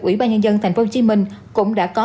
ủy ban nhân dân tp hcm cũng đã có